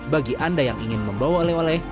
bagi anda yang ingin membawa oleh oleh